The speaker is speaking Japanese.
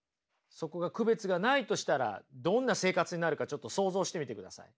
そこが区別がないとしたらどんな生活になるかちょっと想像してみてください。